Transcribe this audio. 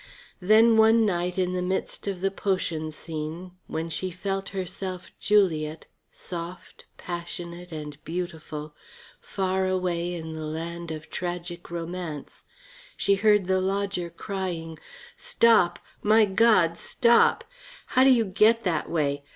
Then one night in the midst of the potion scene when she felt herself Juliet, soft, passionate, and beautiful, far away in the land of tragic romance, she heard the lodger crying: "Stop my God, stop! How do you get that way?